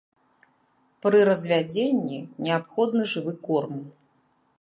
Пры развядзенні неабходны жывы корм.